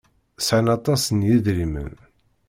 Sɛan aṭas n yedrimen.